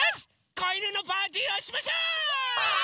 こいぬのパーティーをしましょう！